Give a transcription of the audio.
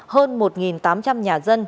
hơn một tám trăm linh nhà dân